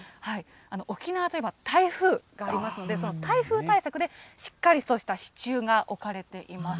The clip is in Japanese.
沖縄といえば台風がありますので、その台風対策でしっかりとした支柱が置かれています。